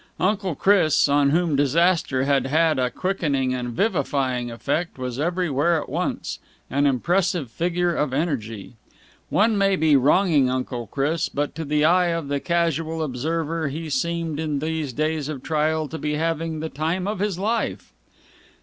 Uncle Chris, on whom disaster had had a quickening and vivifying effect, was everywhere at once, an impressive figure of energy. One may be wronging Uncle Chris, but to the eye of the casual observer he seemed in these days of trial to be having the time of his life.